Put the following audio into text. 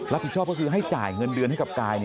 รับผิดชอบก็คือให้จ่ายเงินเดือนให้กับกาย